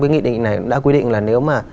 cái nghị định này đã quy định là nếu mà